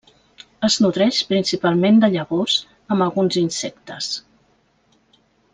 Es nodreix principalment de llavors amb alguns insectes.